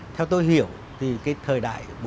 theo tôi hiểu thì cái thời đại bốn